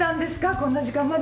こんな時間まで。